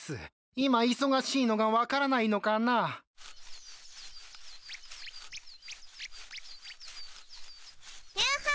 今忙しいのが分からないのかな。やほー！